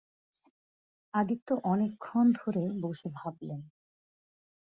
আদিত্য অনেকক্ষণ ধরে বসে ভাবলে।